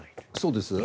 そうです。